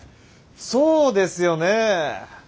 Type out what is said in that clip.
そうですよね？